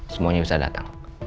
semuanya bisa datang